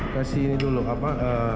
kasih ini dulu apa